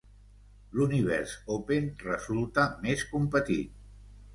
L'univers "open" resulta més competit.